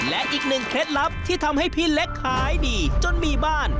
และอีกหนึ่งเคล็ดลับที่ทำให้พี่เล็กขายดีจนมีบ้าน